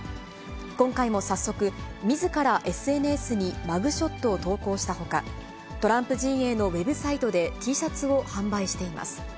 今回も早速、みずからＳＮＳにマグショットを投稿したほか、トランプ陣営のウェブサイトでＴシャツを販売しています。